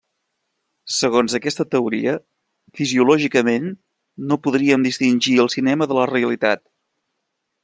Segons aquesta teoria, fisiològicament no podríem distingir el cinema de la realitat.